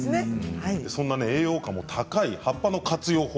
そんな栄養価が高い葉っぱの活用